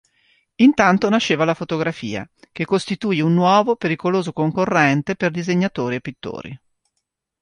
Intanto nasceva la fotografia, che costituì un nuovo, pericoloso concorrente per disegnatori e pittori.